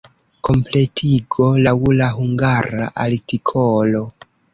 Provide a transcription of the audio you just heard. Kompletigo laŭ la hungara artikolo.